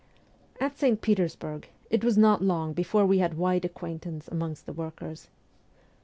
At St. Petersburg it was not long before we had wide acquaintance amongst the workers.